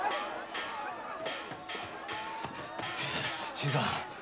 新さん。